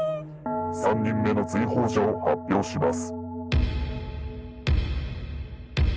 ３人目の追放者を発表します。